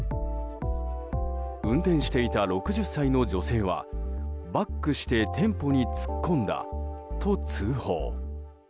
運転していた６０歳の女性はバックして店舗に突っ込んだと通報。